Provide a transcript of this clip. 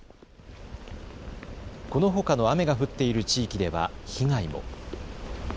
このほかの雨が降っている地域では被害も。